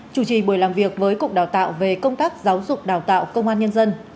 chủ trì buổi làm việc với cục đào tạo về công tác giáo dục đào tạo công an nhân dân